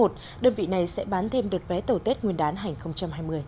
đơn vị này sẽ bán thêm đợt vé tàu tết nguyên đán hành hai mươi